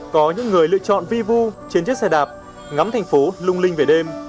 có những người lựa chọn vi vu trên chiếc xe đạp ngắm thành phố lung linh về đêm